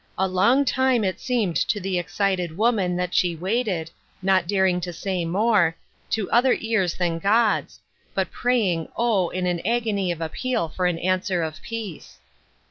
A long time it seemed to the excited woman that she waited, not daring to say more, to other ears than God's, but praying, oh ! in an agony of appeal for an answer of peace.